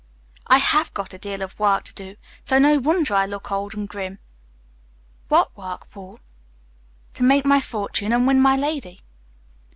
"I have got a deal of work to do, so no wonder I look old and grim." "What work, Paul?" "To make my fortune and win my lady."